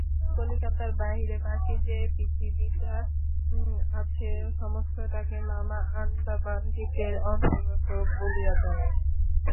কলিকাতার বাহিরে বাকি যে পৃথিবীটা আছে সমস্তটাকেই মামা আণ্ডামান দ্বীপের অন্তর্গত বলিয়া জানেন।